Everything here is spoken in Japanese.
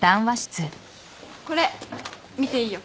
これ見ていいよ。